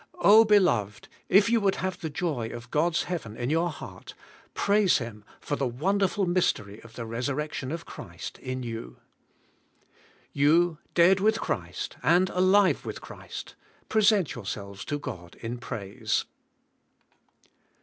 Oh beloved, if you would have the joy of God's heaven in your heart praise Him for the wonderful mystery of the resurrection of Christ in you. You dead with Christ and alive with Christ, present yourselves to God in praise.